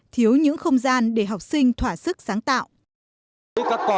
thiếu những không gian để học sinh thỏa sức sáng tạo